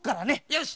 よし！